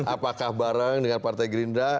apakah bareng dengan partai gerindra